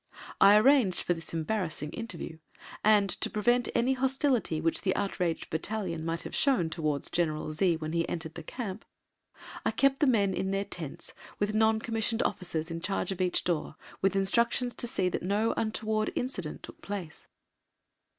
I arranged for this embarrassing interview, and, to prevent any hostility which the outraged battalion might have shown towards General Z when he entered the camp, I kept the men in their tents, with N.C.O.s in charge of each door, with instructions to see that no untoward incident took place.